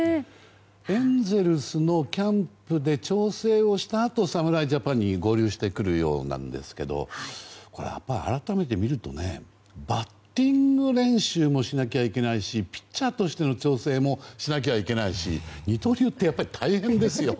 エンゼルスのキャンプで調整をしたあと、侍ジャパンに合流してくるようなんですがこれは改めて見るとバッティング練習もしなきゃいけないしピッチャーとしての調整もしなきゃいけないし二刀流ってやっぱり大変ですよ。